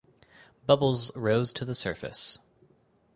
Bubbles rose to the surface.